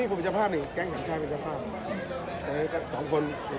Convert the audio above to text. ผมบัญชาภาพ๓คนความเท่งหน่วงแต่ที่หน่วงเจอแล้ว